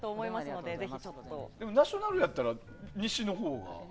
ナショナルやったら西のほうが。